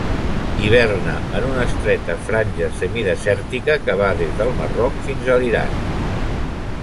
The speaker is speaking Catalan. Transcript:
Hiverna en una estreta franja semidesèrtica que va des del Marroc fins a l'Iran.